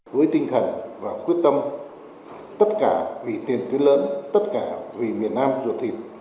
với tinh thần và quyết tâm tất cả vì tiền tuyến lớn tất cả vì miền nam ruột thịt